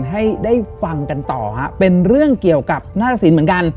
ให้ได้ฟังกันต่อฮะเป็นเรื่องเกี่ยวกับหน้าตะสินเหมือนกัน